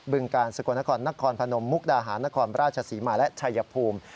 ึงกาลสกลนครนครพนมมุกดาหารนครราชศรีมาและชัยภูมิ